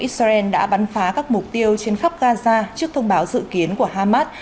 israel đã bắn phá các mục tiêu trên khắp gaza trước thông báo dự kiến của hamas